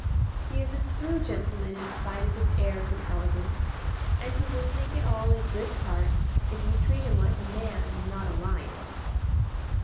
He is a true gentleman in spite of his airs and elegance, and he will take it all in good part, if you treat him like a man and not a lion."